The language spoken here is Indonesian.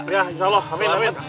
ya insya allah amin